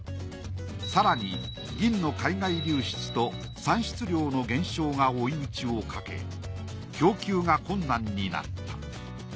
更に銀の海外流出と産出量の減少が追い打ちをかけ供給が困難になった。